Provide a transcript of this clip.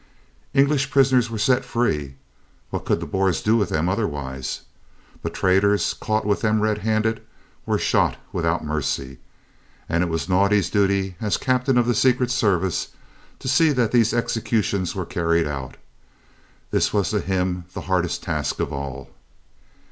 English prisoners were set free (what could the Boers do with them otherwise?), but the traitors caught with them red handed were shot without mercy and it was Naudé's duty, as Captain of the Secret Service, to see that these executions were carried out. This was to him the hardest task of all.